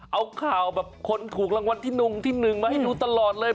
เอาข่าวแบบคนถูกรางวัลที่๑ที่๑มาให้ดูตลอดเลย